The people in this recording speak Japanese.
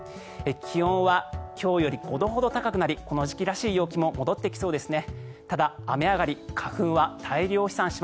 気温は今日より５度ほど高くなりこの時期らしい陽気も戻ってきそうですね。